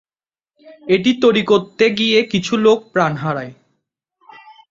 এটি তৈরি করতে গিয়ে কিছু লোক প্রাণ হারায়।